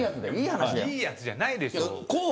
いいやつじゃないでしょ。